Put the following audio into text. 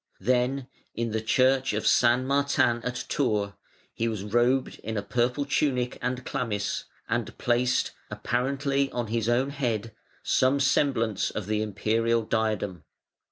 Then, in the church of St. Martin at Tours he was robed in a purple tunic and chlamys, and placed apparently on his own head some semblance of the Imperial diadem.